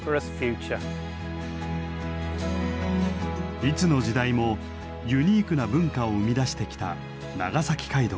いつの時代もユニークな文化を生み出してきた長崎街道。